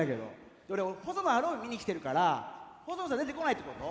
俺細野晴臣見に来てるから。細野さん出てこないってこと？